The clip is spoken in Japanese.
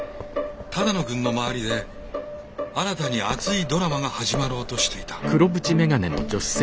只野くんの周りで新たに熱いドラマが始まろうとしていた。